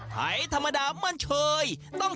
ไทยธรรมดามันเชย